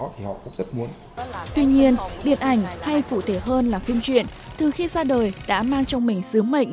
tuy nhiên điện ảnh hay cụ thể hơn là phim truyện từ khi ra đời đã mang trong mình sứ mệnh